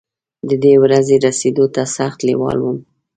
ددې ورځې رسېدو ته سخت لېوال وم.